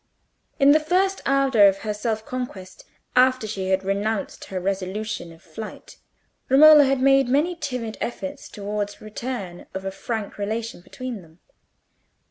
In the first ardour of her self conquest, after she had renounced her resolution of flight, Romola had made many timid efforts towards the return of a frank relation between them.